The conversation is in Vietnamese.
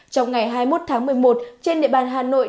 trong ngày hai mươi một tháng một mươi một trên địa bàn hà nội